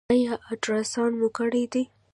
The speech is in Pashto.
ایا الټراساونډ مو کړی دی؟